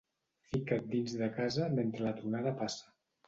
Fica't dins de casa mentre la tronada passa.